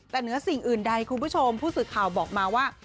แต่เหนือสิ่งอื่นใดคุณผู้ชมผู้สื่อข่าวบอกมาว่า